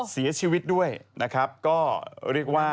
เสียชีวิตด้วยนะครับก็เรียกว่า